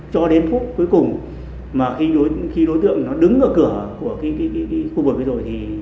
cho đến phút cuối cùng mà khi đối tượng nó đứng ở cửa của khu vực bây giờ thì